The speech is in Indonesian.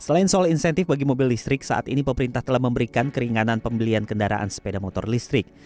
selain soal insentif bagi mobil listrik saat ini pemerintah telah memberikan keringanan pembelian kendaraan sepeda motor listrik